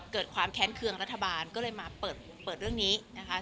ความแค้นเคืองรัฐบาลก็เลยมาเปิดเรื่องนี้นะคะ